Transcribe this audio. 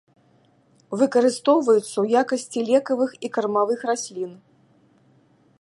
Выкарыстоўваюцца ў якасці лекавых і кармавых раслін.